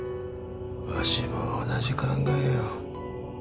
わしも同じ考えよ。